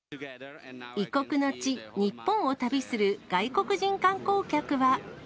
異国の地、日本を旅する外国人観光客は。